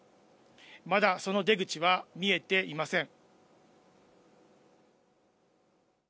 まだその出口は見えていません。